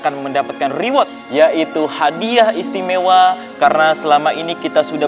akan mendapatkan reward yaitu hadiah istimewa karena selama ini kita sudah